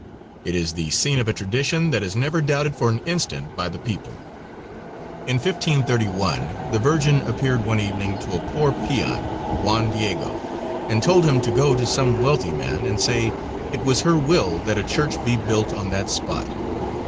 It is the scene of a tradition that is never doubted for an instant by the people. In 1531 the Virgin appeared one evening to a poor peon, Juan Diego, and told him to go to some wealthy man and say it was her will that a church be built on that spot.